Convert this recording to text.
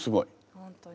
本当に。